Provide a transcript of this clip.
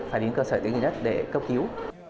phải đến cơ sở y tế gần nhất để cấp cứu